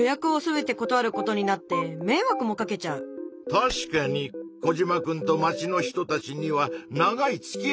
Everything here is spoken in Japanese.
確かにコジマくんと町の人たちには長いつきあいがある。